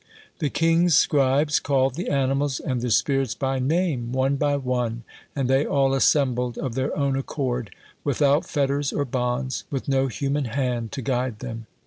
The king's scribes called the animals and the spirits by name, one by one, and they all assembled of their own accord, without fetters or bonds, with no human hand to guide them.